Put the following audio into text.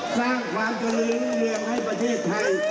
สร้างความเจริญรุ่งเรืองให้ประเทศไทย